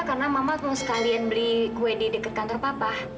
karena mama mau sekalian beli kue di deket kantor papa